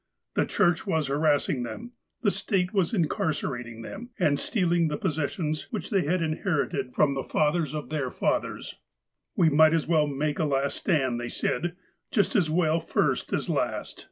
The Church was harassing them, the State was in carcerating them, and stealing the possessions which they had inherited from the fathers of their fathers. "We might just as well make a last stand," they said. "Just as well first as last.